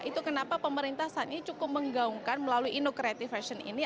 itu kenapa pemerintah saat ini cukup menggaungkan melalui inocreativation ini